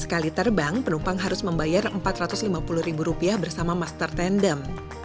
sekali terbang penumpang harus membayar empat ratus lima puluh ribu rupiah bersama master tandem